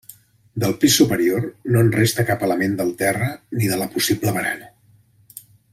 Del pis superior no en resta cap element del terra ni de la possible barana.